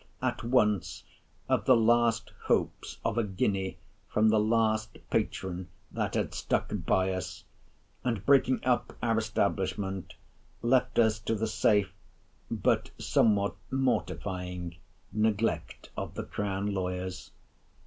at once of the last hopes of a guinea from the last patron that had stuck by us; and breaking up our establishment, left us to the safe, but somewhat mortifying, neglect of the Crown Lawyers.